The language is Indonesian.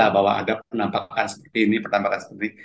bahwa ada penampakan seperti ini